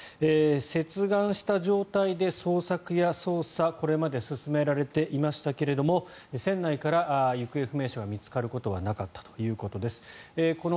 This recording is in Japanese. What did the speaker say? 接岸した状態で捜索や捜査がこれまで進められていましたけれども船内から行方不明者が見つかることはなかったということです。